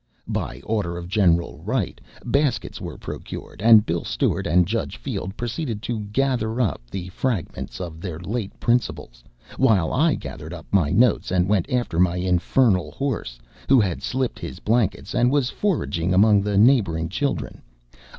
By order of Gen. Wright, baskets were procured, and Bill Stewart and Judge Field proceeded to gather up the fragments of their late principals, while I gathered up my notes and went after my infernal horse, who had slipped his blankets and was foraging among the neighboring children.